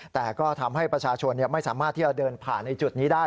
แต่ก็ทำให้ประชาชนไม่สามารถที่จะเดินผ่านในจุดนี้ได้